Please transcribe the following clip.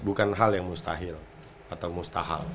bukan hal yang mustahil atau mustahil